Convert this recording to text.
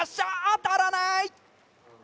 当たらない。